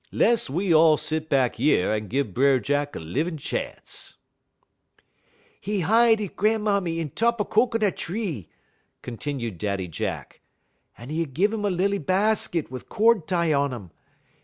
Less we all set back yer en give Brer Jack a livin' chance." "'E hide 'e gran'mammy in top cocoanut tree," continued Daddy Jack, "un 'e gi' um lilly bahskit wit' cord tie on um.